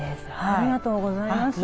ありがとうございます。